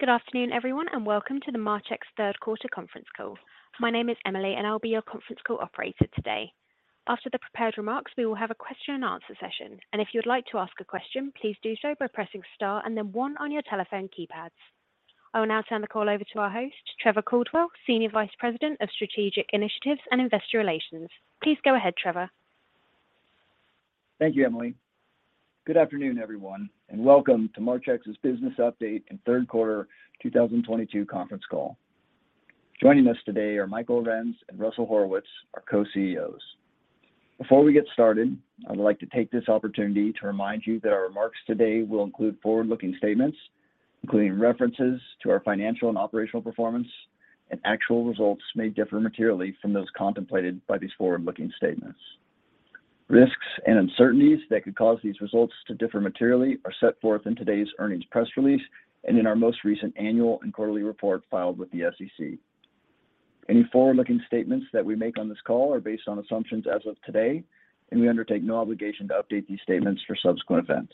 Good afternoon, everyone, and welcome to Marchex third quarter conference call. My name is Emily, and I'll be your conference call operator today. After the prepared remarks, we will have a question and answer session. If you'd like to ask a question, please do so by pressing Star and then One on your telephone keypads. I will now turn the call over to our host, Trevor Caldwell, Senior Vice President of Strategic Initiatives and Investor Relations. Please go ahead, Trevor. Thank you, Emily. Good afternoon, everyone, and welcome to Marchex's Business Update and third quarter 2022 conference call. Joining us today are Mike Arends and Russell Horowitz, our Co-CEOs. Before we get started, I'd like to take this opportunity to remind you that our remarks today will include forward-looking statements, including references to our financial and operational performance, and actual results may differ materially from those contemplated by these forward-looking statements. Risks and uncertainties that could cause these results to differ materially are set forth in today's earnings press release and in our most recent annual and quarterly report filed with the SEC. Any forward-looking statements that we make on this call are based on assumptions as of today, and we undertake no obligation to update these statements for subsequent events.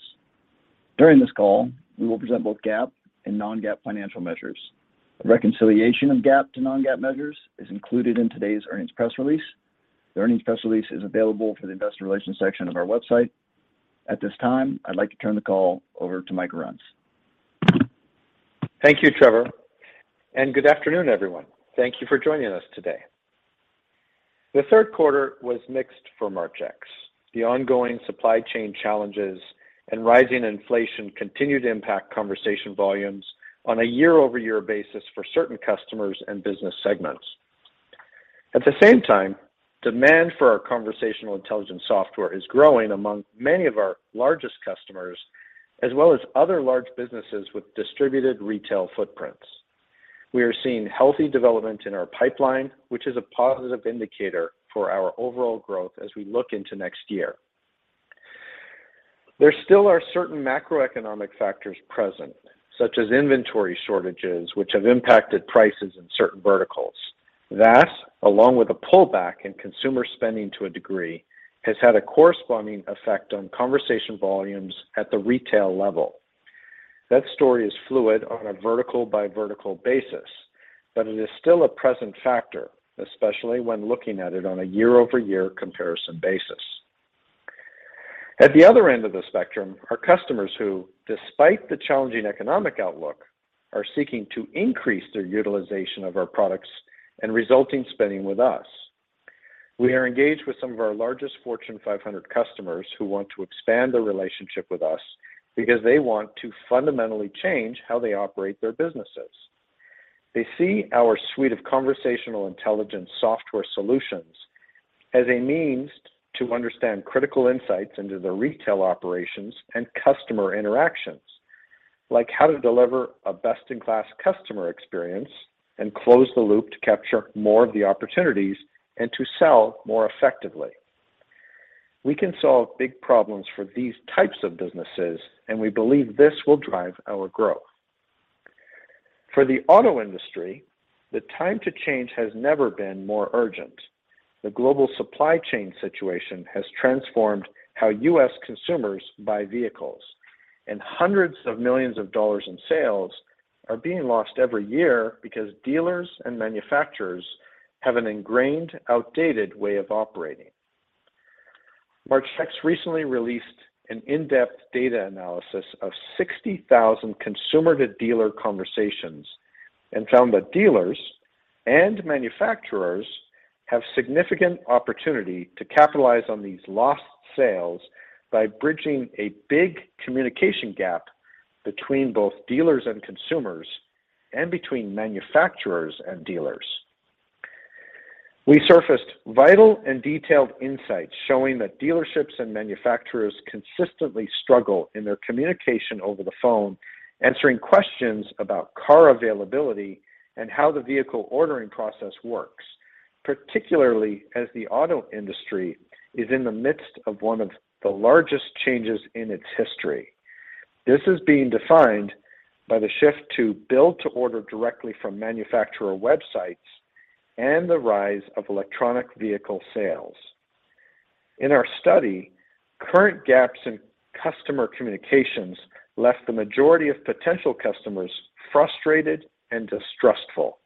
During this call, we will present both GAAP and non-GAAP financial measures. A reconciliation of GAAP to non-GAAP measures is included in today's earnings press release. The earnings press release is available through the investor relations section of our website. At this time, I'd like to turn the call over to Mike Arends. Thank you, Trevor. Good afternoon, everyone. Thank you for joining us today. The third quarter was mixed for Marchex. The ongoing supply chain challenges and rising inflation continued to impact conversation volumes on a year-over-year basis for certain customers and business segments. At the same time, demand for our Conversational Intelligence software is growing among many of our largest customers, as well as other large businesses with distributed retail footprints. We are seeing healthy development in our pipeline, which is a positive indicator for our overall growth as we look into next year. There still are certain macroeconomic factors present, such as inventory shortages, which have impacted prices in certain verticals. That, along with a pullback in consumer spending to a degree, has had a corresponding effect on conversation volumes at the retail level. That story is fluid on a vertical-by-vertical basis, but it is still a present factor, especially when looking at it on a year-over-year comparison basis. At the other end of the spectrum are customers who, despite the challenging economic outlook, are seeking to increase their utilization of our products and resulting spending with us. We are engaged with some of our largest Fortune 500 customers who want to expand their relationship with us because they want to fundamentally change how they operate their businesses. They see our suite of Conversational Intelligence software solutions as a means to understand critical insights into their retail operations and customer interactions, like how to deliver a best-in-class customer experience and close the loop to capture more of the opportunities and to sell more effectively. We can solve big problems for these types of businesses, and we believe this will drive our growth. For the auto industry, the time to change has never been more urgent. The global supply chain situation has transformed how U.S. consumers buy vehicles, and hundreds of millions in sales are being lost every year because dealers and manufacturers have an ingrained, outdated way of operating. Marchex recently released an in-depth data analysis of 60,000 consumer-to-dealer conversations and found that dealers and manufacturers have significant opportunity to capitalize on these lost sales by bridging a big communication gap between both dealers and consumers and between manufacturers and dealers. We surfaced vital and detailed insights showing that dealerships and manufacturers consistently struggle in their communication over the phone, answering questions about car availability and how the vehicle ordering process works, particularly as the auto industry is in the midst of one of the largest changes in its history. This is being defined by the shift to build to order directly from manufacturer websites and the rise of electric vehicle sales. In our study, current gaps in customer communications left the majority of potential customers frustrated and distrustful,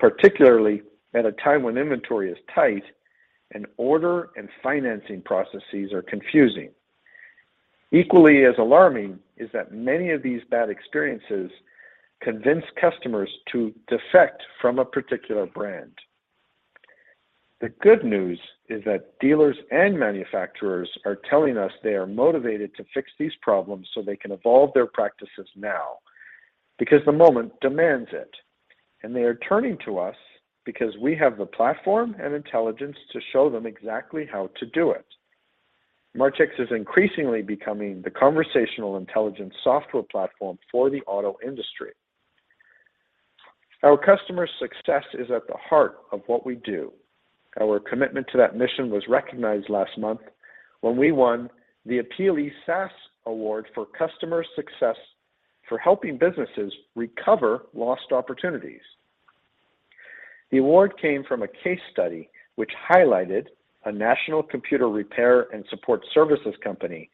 particularly at a time when inventory is tight and order and financing processes are confusing. Equally as alarming is that many of these bad experiences convince customers to defect from a particular brand. The good news is that dealers and manufacturers are telling us they are motivated to fix these problems so they can evolve their practices now because the moment demands it, and they are turning to us because we have the platform and intelligence to show them exactly how to do it. Marchex is increasingly becoming the Conversational Intelligence software platform for the auto industry. Our customers' success is at the heart of what we do. Our commitment to that mission was recognized last month when we won the APPEALIE SaaS Award for Customer Success for helping businesses recover lost opportunities. The award came from a case study which highlighted a national computer repair and support services company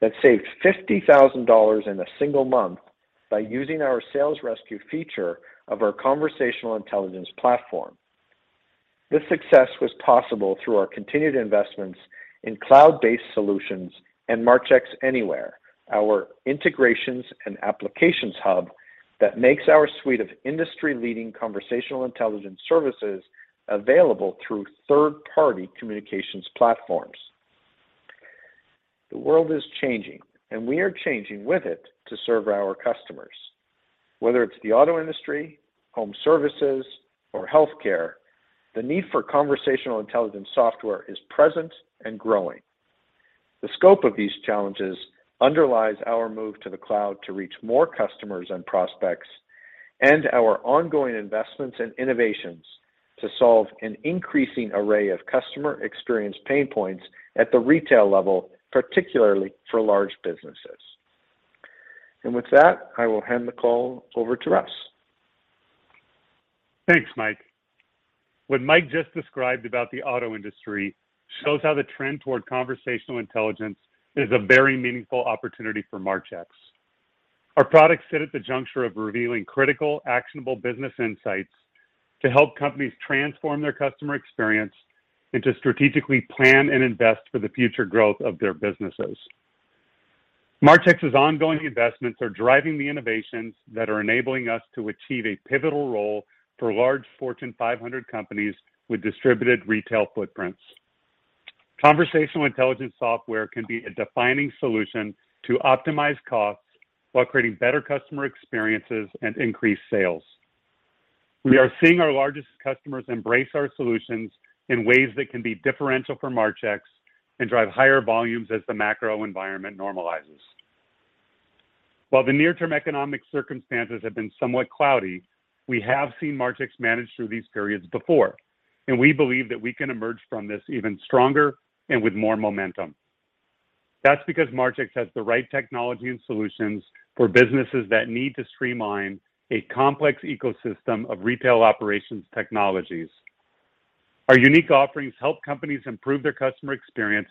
that saved $50,000 in a single month by using our Sales Rescue feature of our Conversational Intelligence platform. This success was possible through our continued investments in cloud-based solutions and Marchex Anywhere, our integrations and applications hub that makes our suite of industry-leading conversational intelligence services available through third-party communications platforms. The world is changing, and we are changing with it to serve our customers. Whether it's the auto industry, home services, or healthcare, the need for conversational intelligence software is present and growing. The scope of these challenges underlies our move to the cloud to reach more customers and prospects and our ongoing investments and innovations to solve an increasing array of customer experience pain points at the retail level, particularly for large businesses. With that, I will hand the call over to Russ. Thanks, Mike. What Mike just described about the auto industry shows how the trend toward conversational intelligence is a very meaningful opportunity for Marchex. Our products sit at the juncture of revealing critical, actionable business insights to help companies transform their customer experience and to strategically plan and invest for the future growth of their businesses. Marchex's ongoing investments are driving the innovations that are enabling us to achieve a pivotal role for large Fortune 500 companies with distributed retail footprints. Conversational intelligence software can be a defining solution to optimize costs while creating better customer experiences and increase sales. We are seeing our largest customers embrace our solutions in ways that can be differential for Marchex and drive higher volumes as the macro environment normalizes. While the near-term economic circumstances have been somewhat cloudy, we have seen Marchex manage through these periods before, and we believe that we can emerge from this even stronger and with more momentum. That's because Marchex has the right technology and solutions for businesses that need to streamline a complex ecosystem of retail operations technologies. Our unique offerings help companies improve their customer experience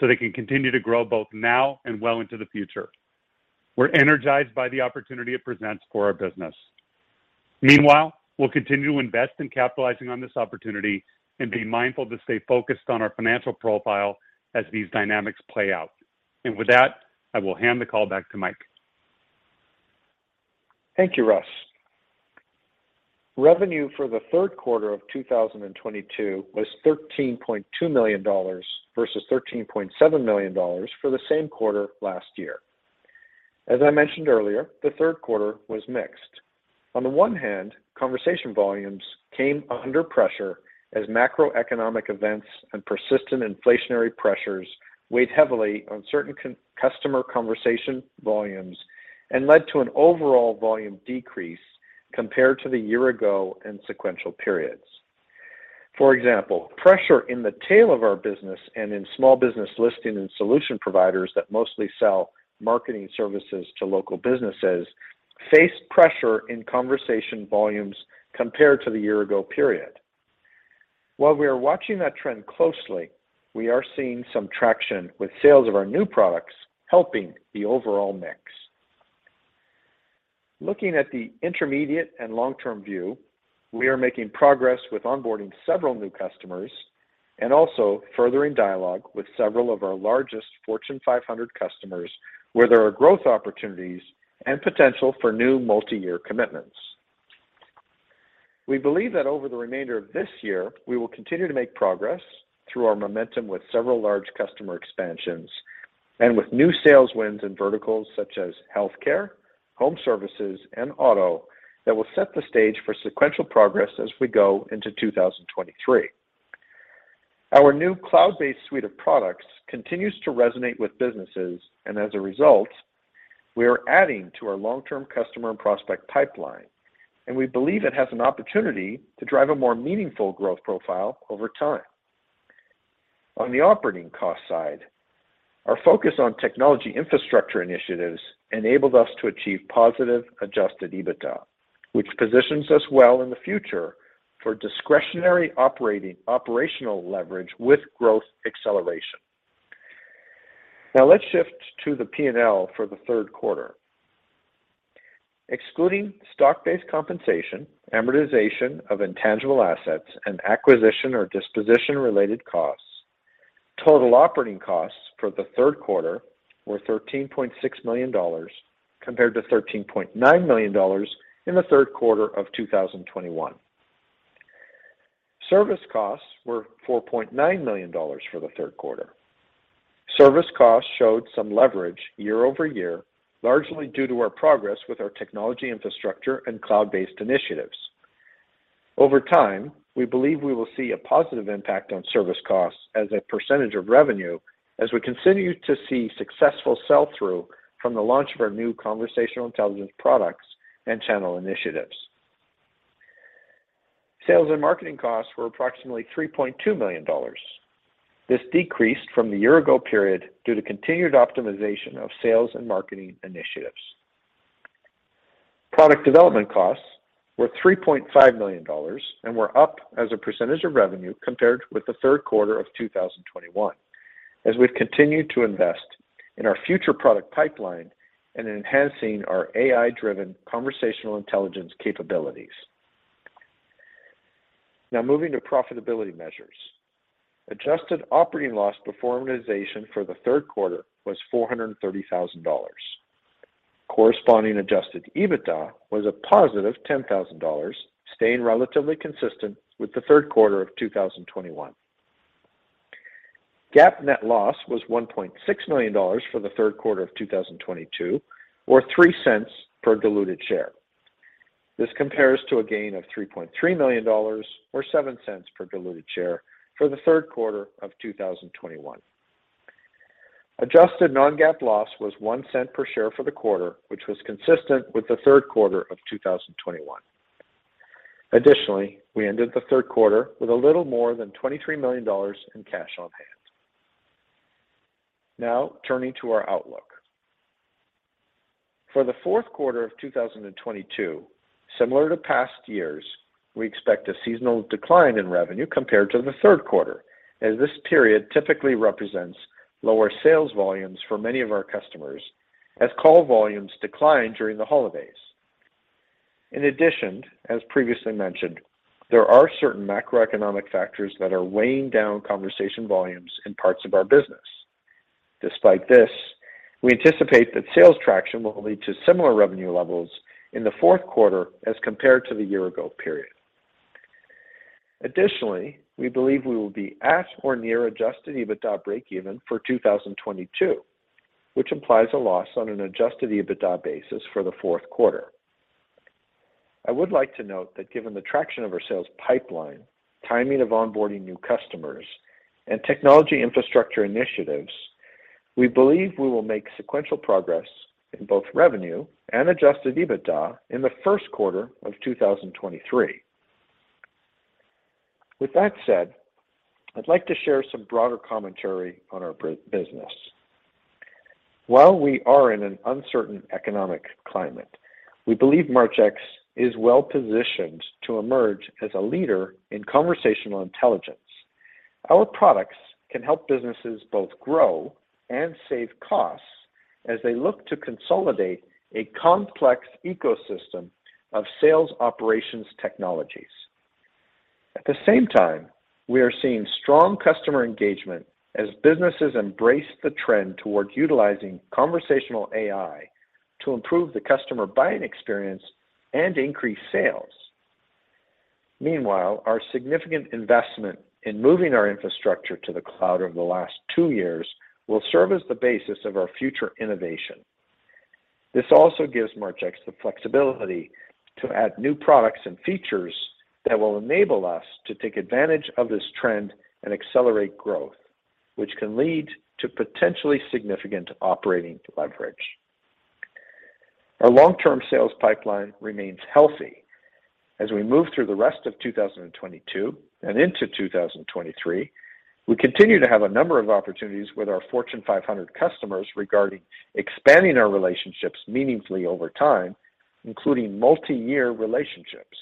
so they can continue to grow both now and well into the future. We're energized by the opportunity it presents for our business. Meanwhile, we'll continue to invest in capitalizing on this opportunity and be mindful to stay focused on our financial profile as these dynamics play out. With that, I will hand the call back to Mike. Thank you, Russ. Revenue for the third quarter of 2022 was $13.2 million versus $13.7 million for the same quarter last year. As I mentioned earlier, the third quarter was mixed. On the one hand, conversation volumes came under pressure as macroeconomic events and persistent inflationary pressures weighed heavily on certain customer conversation volumes and led to an overall volume decrease compared to the year-ago and sequential periods. For example, pressure in the tail of our business and in small business listing and solution providers that mostly sell marketing services to local businesses faced pressure in conversation volumes compared to the year-ago period. While we are watching that trend closely, we are seeing some traction with sales of our new products helping the overall mix. Looking at the intermediate and long-term view, we are making progress with onboarding several new customers and also furthering dialogue with several of our largest Fortune 500 customers where there are growth opportunities and potential for new multi-year commitments. We believe that over the remainder of this year, we will continue to make progress through our momentum with several large customer expansions and with new sales wins in verticals such as healthcare, home services, and auto that will set the stage for sequential progress as we go into 2023. Our new cloud-based suite of products continues to resonate with businesses, and as a result, we are adding to our long-term customer and prospect pipeline, and we believe it has an opportunity to drive a more meaningful growth profile over time. On the operating cost side, our focus on technology infrastructure initiatives enabled us to achieve positive Adjusted EBITDA, which positions us well in the future for discretionary operating operational leverage with growth acceleration. Now let's shift to the P&L for the third quarter. Excluding stock-based compensation, amortization of intangible assets, and acquisition or disposition-related costs, total operating costs for the third quarter were $13.6 million compared to $13.9 million in the third quarter of 2021. Service costs were $4.9 million for the third quarter. Service costs showed some leverage year-over-year, largely due to our progress with our technology infrastructure and cloud-based initiatives. Over time, we believe we will see a positive impact on service costs as a percentage of revenue as we continue to see successful sell-through from the launch of our new conversational intelligence products and channel initiatives. Sales and marketing costs were approximately $3.2 million. This decreased from the year-ago period due to continued optimization of sales and marketing initiatives. Product development costs were $3.5 million, and were up as a percentage of revenue compared with the third quarter of 2021 as we've continued to invest in our future product pipeline and enhancing our AI-driven conversational intelligence capabilities. Now moving to profitability measures. Adjusted operating loss before amortization for the third quarter was $430,000. Corresponding Adjusted EBITDA was a positive $10,000, staying relatively consistent with the third quarter of 2021. GAAP net loss was $1.6 million for the third quarter of 2022, or $0.03 per diluted share. This compares to a gain of $3.3 million, or $0.07 per diluted share for the third quarter of 2021. Adjusted non-GAAP loss was $0.01 per share for the quarter, which was consistent with the third quarter of 2021. Additionally, we ended the third quarter with a little more than $23 million in cash on hand. Now turning to our outlook. For the fourth quarter of 2022, similar to past years, we expect a seasonal decline in revenue compared to the third quarter, as this period typically represents lower sales volumes for many of our customers as call volumes decline during the holidays. In addition, as previously mentioned, there are certain macroeconomic factors that are weighing down conversation volumes in parts of our business. Despite this, we anticipate that sales traction will lead to similar revenue levels in the fourth quarter as compared to the year ago period. Additionally, we believe we will be at or near Adjusted EBITDA breakeven for 2022, which implies a loss on an Adjusted EBITDA basis for the fourth quarter. I would like to note that given the traction of our sales pipeline, timing of onboarding new customers, and technology infrastructure initiatives, we believe we will make sequential progress in both revenue and Adjusted EBITDA in the first quarter of 2023. With that said, I'd like to share some broader commentary on our business. While we are in an uncertain economic climate, we believe Marchex is well-positioned to emerge as a leader in conversational intelligence. Our products can help businesses both grow and save costs as they look to consolidate a complex ecosystem of sales operations technologies. At the same time, we are seeing strong customer engagement as businesses embrace the trend towards utilizing conversational AI to improve the customer buying experience and increase sales. Meanwhile, our significant investment in moving our infrastructure to the cloud over the last two years will serve as the basis of our future innovation. This also gives Marchex the flexibility to add new products and features that will enable us to take advantage of this trend and accelerate growth, which can lead to potentially significant operating leverage. Our long-term sales pipeline remains healthy. As we move through the rest of 2022 and into 2023, we continue to have a number of opportunities with our Fortune 500 customers regarding expanding our relationships meaningfully over time, including multi-year relationships.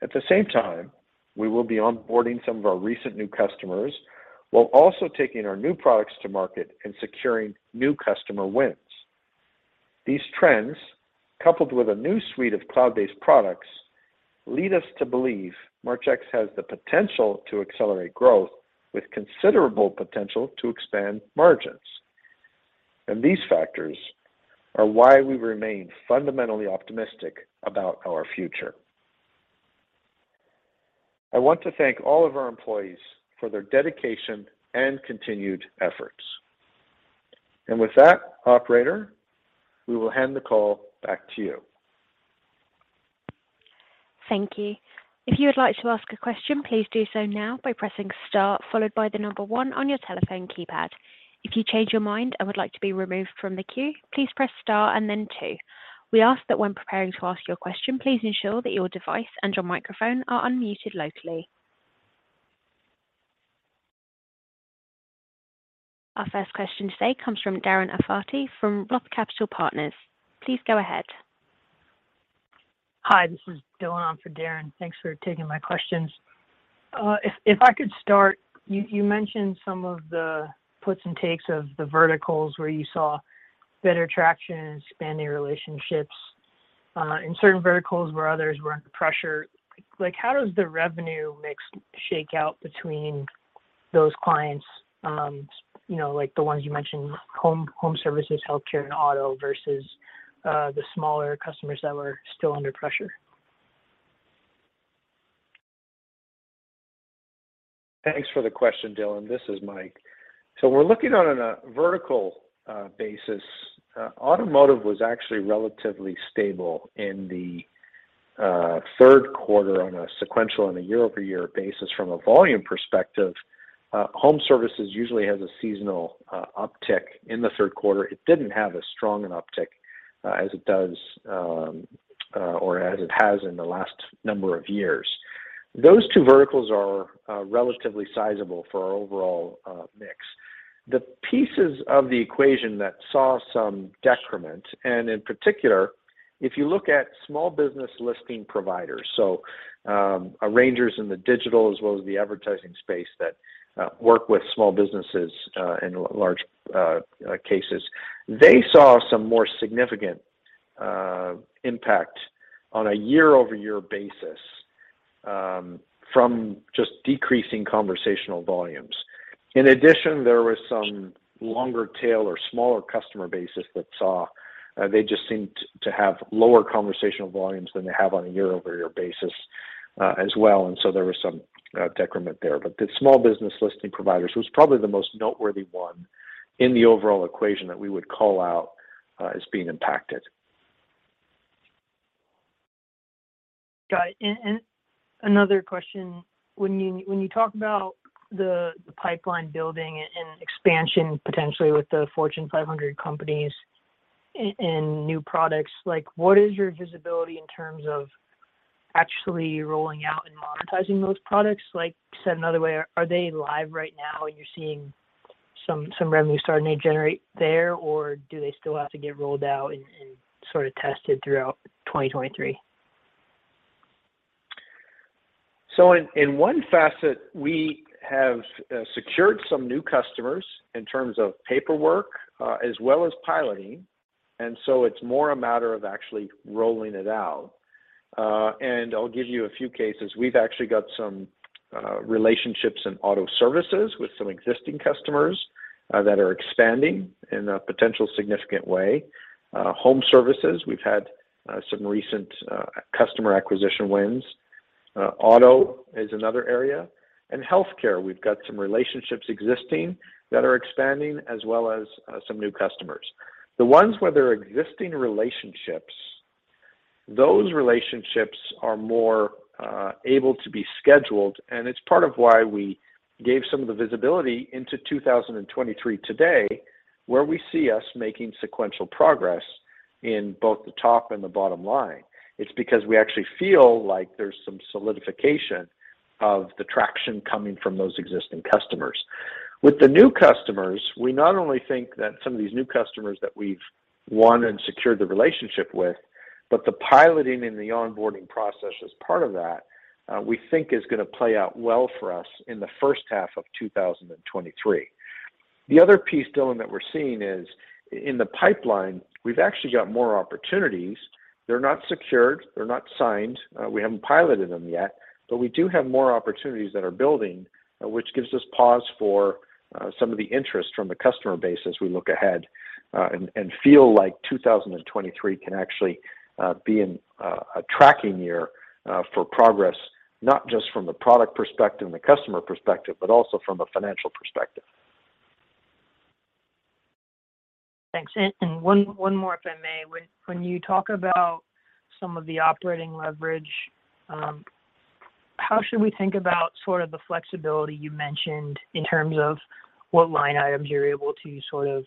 At the same time, we will be onboarding some of our recent new customers while also taking our new products to market and securing new customer wins. These trends, coupled with a new suite of cloud-based products, lead us to believe Marchex has the potential to accelerate growth with considerable potential to expand margins. These factors are why we remain fundamentally optimistic about our future. I want to thank all of our employees for their dedication and continued efforts. With that, operator, we will hand the call back to you. Thank you. If you would like to ask a question, please do so now by pressing Star followed by the number One on your telephone keypad. If you change your mind and would like to be removed from the queue, please press Star and then Two. We ask that when preparing to ask your question, please ensure that your device and your microphone are unmuted locally. Our first question today comes from Darren Aftahi from ROTH Capital Partners. Please go ahead. Hi, this is Dillon on for Darren. Thanks for taking my questions. If I could start, you mentioned some of the puts and takes of the verticals where you saw better traction and expanding relationships in certain verticals where others were under pressure. Like, how does the revenue mix shake out between those clients, you know, like the ones you mentioned, home services, healthcare, and auto versus the smaller customers that were still under pressure? Thanks for the question, Dillon. This is Mike. We're looking on a vertical basis. Automotive was actually relatively stable in the third quarter on a sequential and a year-over-year basis from a volume perspective. Home services usually has a seasonal uptick in the third quarter. It didn't have as strong an uptick as it does or as it has in the last number of years. Those two verticals are relatively sizable for our overall mix. The pieces of the equation that saw some decrement, and in particular, if you look at small business listing providers, so arrangers in the digital as well as the advertising space that work with small businesses in large cases, they saw some more significant impact on a year-over-year basis from just decreasing conversational volumes. In addition, there was some longer tail or smaller customer bases that saw, they just seemed to have lower conversational volumes than they have on a year-over-year basis, as well. There was some decrement there. The small business listing providers was probably the most noteworthy one in the overall equation that we would call out as being impacted. Got it. Another question. When you talk about the pipeline building and expansion potentially with the Fortune 500 companies in new products, like what is your visibility in terms of actually rolling out and monetizing those products? Like, said another way, are they live right now, and you're seeing some revenue starting to generate there, or do they still have to get rolled out and sort of tested throughout 2023? In one facet, we have secured some new customers in terms of paperwork, as well as piloting, and so it's more a matter of actually rolling it out. I'll give you a few cases. We've actually got some relationships in auto services with some existing customers that are expanding in a potential significant way. Home services, we've had some recent customer acquisition wins. Auto is another area. Healthcare, we've got some relationships existing that are expanding as well as some new customers. The ones where there are existing relationships, those relationships are more able to be scheduled, and it's part of why we gave some of the visibility into 2023 today, where we see us making sequential progress in both the top and the bottom line. It's because we actually feel like there's some solidification of the traction coming from those existing customers. With the new customers, we not only think that some of these new customers that we've won and secured the relationship with, but the piloting and the onboarding process as part of that, we think is gonna play out well for us in the first half of 2023. The other piece, Dillon, that we're seeing is in the pipeline, we've actually got more opportunities. They're not secured, they're not signed, we haven't piloted them yet, but we do have more opportunities that are building, which gives us cause for some of the interest from the customer base as we look ahead, and feel like 2023 can actually be a traction year for progress, not just from the product perspective and the customer perspective, but also from a financial perspective. Thanks. One more, if I may. When you talk about some of the operating leverage, how should we think about sort of the flexibility you mentioned in terms of what line items you're able to sort of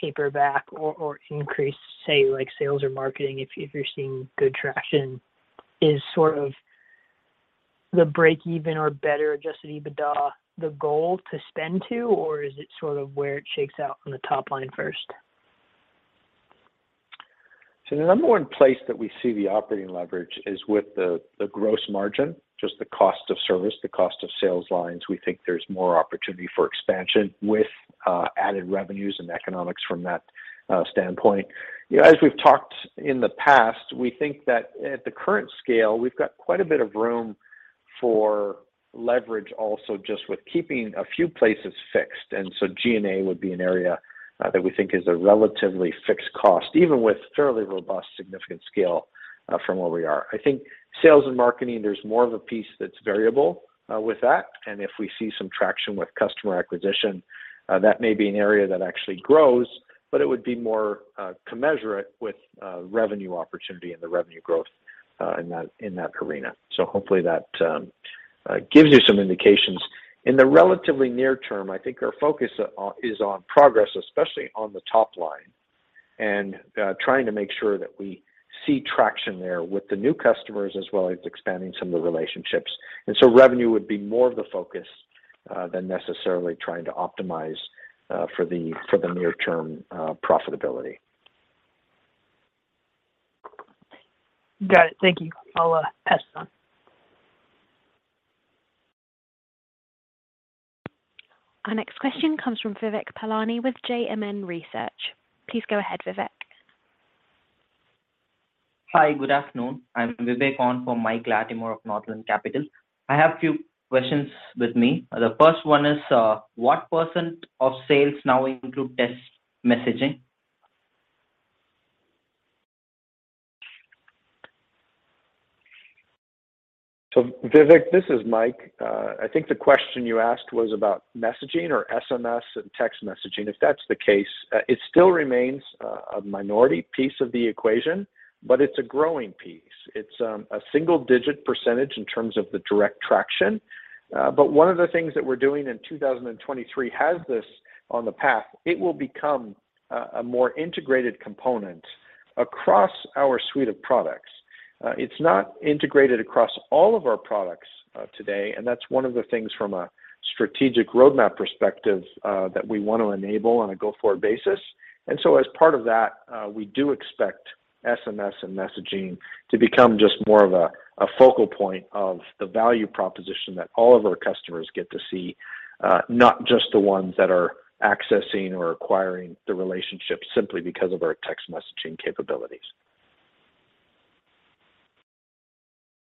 taper back or increase, say like sales or marketing if you're seeing good traction? Is sort of the break-even or better Adjusted EBITDA the goal to spend to, or is it sort of where it shakes out on the top line first? The number one place that we see the operating leverage is with the gross margin, just the cost of service, the cost of sales lines. We think there's more opportunity for expansion with added revenues and economics from that standpoint. You know, as we've talked in the past, we think that at the current scale, we've got quite a bit of room for leverage also just with keeping a few places fixed. G&A would be an area that we think is a relatively fixed cost, even with fairly robust, significant scale from where we are. I think sales and marketing, there's more of a piece that's variable, with that, and if we see some traction with customer acquisition, that may be an area that actually grows, but it would be more, commensurate with, revenue opportunity and the revenue growth, in that arena. Hopefully that gives you some indications. In the relatively near term, I think our focus is on progress, especially on the top line, and, trying to make sure that we see traction there with the new customers as well as expanding some of the relationships. Revenue would be more of the focus, than necessarily trying to optimize, for the near term profitability. Got it. Thank you. I'll pass this on. Our next question comes from Vivek Palani with JMN Research. Please go ahead, Vivek. Hi, good afternoon. I'm Vivek on for Michael Latimore of Northland Capital Markets. I have few questions with me. The first one is, what percentage of sales now include text messaging? Vivek, this is Mike. I think the question you asked was about messaging or SMS and text messaging. If that's the case, it still remains a minority piece of the equation, but it's a growing piece. It's a single-digit percentage in terms of the direct traction. But one of the things that we're doing in 2023 has this on the path. It will become a more integrated component across our suite of products. It's not integrated across all of our products today, and that's one of the things from a strategic roadmap perspective that we want to enable on a go-forward basis. As part of that, we do expect SMS and messaging to become just more of a focal point of the value proposition that all of our customers get to see, not just the ones that are accessing or acquiring the relationship simply because of our text messaging capabilities.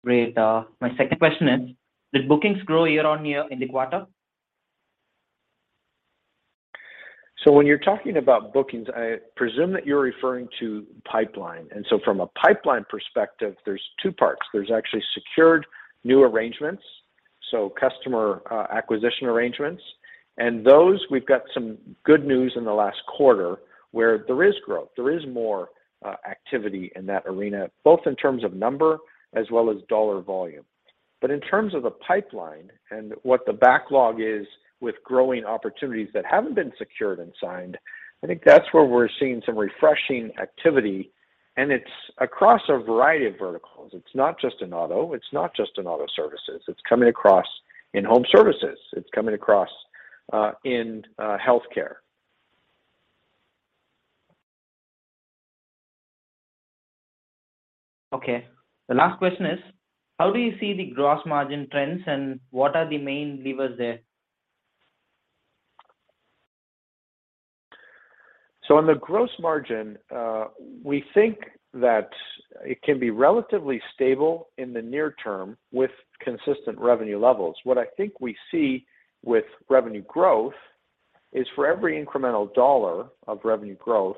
Great. My second question is, did bookings grow year-on-year in the quarter? When you're talking about bookings, I presume that you're referring to pipeline. From a pipeline perspective, there's two parts. There's actually secured new arrangements, so customer acquisition arrangements. Those, we've got some good news in the last quarter where there is growth. There is more activity in that arena, both in terms of number as well as dollar volume. In terms of the pipeline and what the backlog is with growing opportunities that haven't been secured and signed, I think that's where we're seeing some refreshing activity, and it's across a variety of verticals. It's not just in auto, it's not just in auto services. It's coming across in home services. It's coming across in healthcare. Okay. The last question is: how do you see the gross margin trends, and what are the main levers there? On the gross margin, we think that it can be relatively stable in the near term with consistent revenue levels. What I think we see with revenue growth is for every incremental dollar of revenue growth,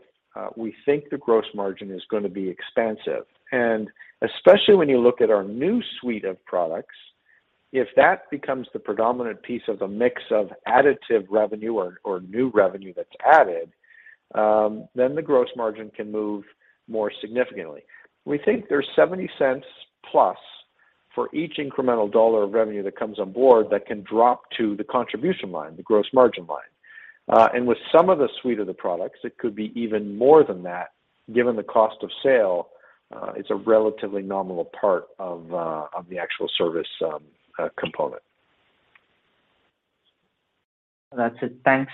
we think the gross margin is gonna be expansive. Especially when you look at our new suite of products, if that becomes the predominant piece of the mix of additive revenue or new revenue that's added, then the gross margin can move more significantly. We think there's $0.70 plus for each incremental dollar of revenue that comes on board that can drop to the contribution line, the gross margin line. With some of the suite of the products, it could be even more than that. Given the cost of sale, it's a relatively nominal part of the actual service component. That's it. Thanks.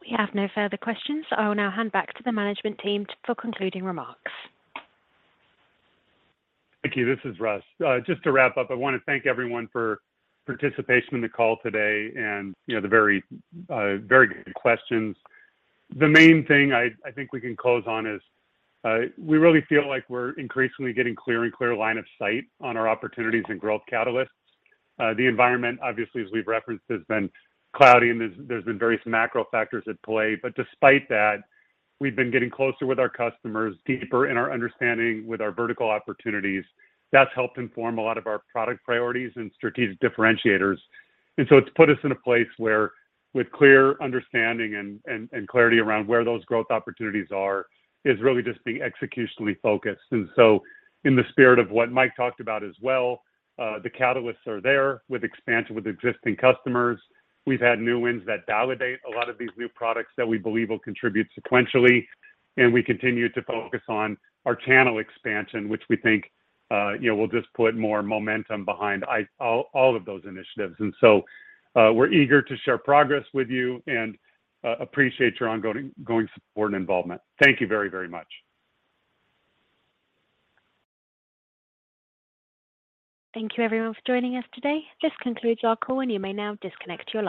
We have no further questions. I will now hand back to the management team for concluding remarks. Thank you. This is Russ. Just to wrap up, I wanna thank everyone for participation in the call today and, you know, the very, very good questions. The main thing I think we can close on is, we really feel like we're increasingly getting clear line of sight on our opportunities and growth catalysts. The environment, obviously, as we've referenced, has been cloudy, and there's been various macro factors at play. Despite that, we've been getting closer with our customers, deeper in our understanding with our vertical opportunities. That's helped inform a lot of our product priorities and strategic differentiators. It's put us in a place where with clear understanding and clarity around where those growth opportunities are, is really just being executionally focused. In the spirit of what Mike talked about as well, the catalysts are there with expansion with existing customers. We've had new wins that validate a lot of these new products that we believe will contribute sequentially, and we continue to focus on our channel expansion, which we think, you know, will just put more momentum behind all of those initiatives. We're eager to share progress with you and appreciate your ongoing support and involvement. Thank you very much. Thank you everyone for joining us today. This concludes our call, and you may now disconnect your line.